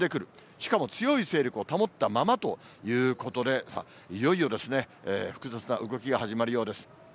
しかも強い勢力を保ったままということで、いよいよ複雑な動きが始まるようです。